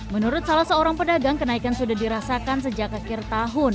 menurut salah seorang pedagang kenaikan sudah dirasakan sejak akhir tahun